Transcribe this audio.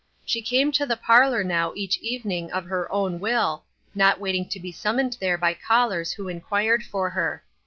She came to the parlor now each evening of her own will, not waiting to be summoned there by callers who inquired for her.